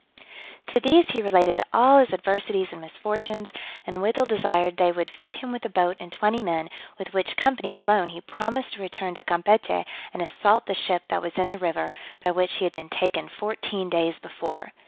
To these he related all his adversities and misfortunes, and withal desired they would fit him with a boat and twenty men, with which company alone he promised to return to Campechy, and assault the ship that was in the river, by which he had been taken fourteen days before.